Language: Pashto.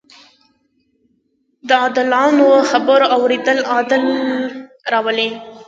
د عادلانه خبرو اورېدل عدل راولي